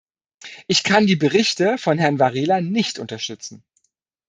Ich kann die Berichte von Herrn Varela nicht unterstützen.